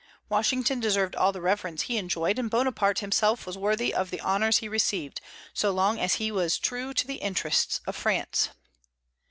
Washington deserved all the reverence he enjoyed; and Bonaparte himself was worthy of the honors he received, so long as he was true to the interests of France.